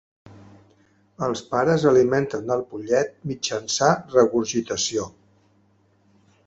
Els pares alimenten el pollet mitjançant regurgitació.